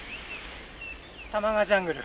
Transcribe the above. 多摩川ジャングル。